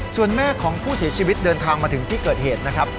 ส่วนแม่ของผู้เสียชีวิตเดินทางมาถึงที่เกิดเหตุนะครับ